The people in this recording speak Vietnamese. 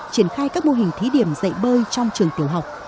triển khai các mô hình thí điểm dạy bơi trong trường tiểu học